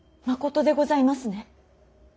まことでございますね。